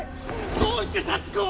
どうして幸子を！？